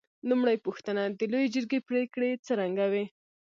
لومړۍ پوښتنه: د لویې جرګې پرېکړې څرنګه وې؟